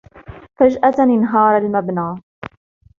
فجأة انهار المبنى.